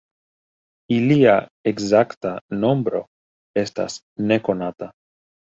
Ilia ekzakta nombro estas nekonata.